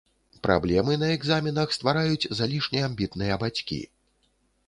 Праблемы на экзаменах ствараюць залішне амбітныя бацькі.